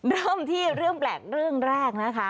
เริ่มที่เรื่องแปลกเรื่องแรกนะคะ